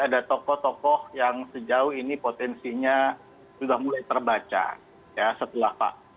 ada tokoh tokoh yang sejauh ini potensinya sudah mulai terbaca ya setelah pak